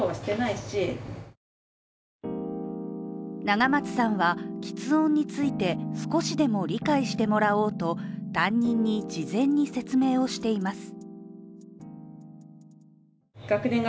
永松さんは、きつ音について少しでも理解してもらおうと担任に事前に説明をしています。